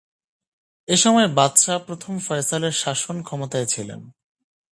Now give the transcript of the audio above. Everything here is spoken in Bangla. এসময় বাদশাহ প্রথম ফয়সালের শাসন ক্ষমতায় ছিলেন।